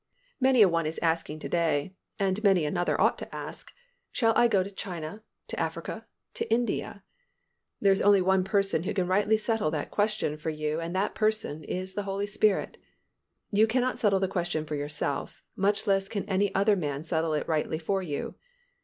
Many a one is asking to day, and many another ought to ask, "Shall I go to China, to Africa, to India?" There is only one Person who can rightly settle that question for you and that Person is the Holy Spirit. You cannot settle the question for yourself, much less can any other man settle it rightly for you.